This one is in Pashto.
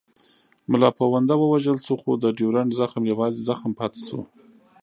ملا پونده ووژل شو خو د ډیورنډ زخم یوازې زخم پاتې شو.